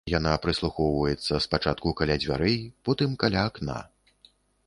Яна прыслухоўваецца спачатку каля дзвярэй, потым каля акна.